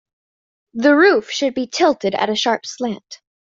The roof should be tilted at a sharp slant.